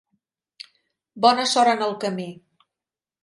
Bona sort en el camí